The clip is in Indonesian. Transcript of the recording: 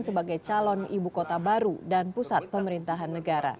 sebagai calon ibu kota baru dan pusat pemerintahan negara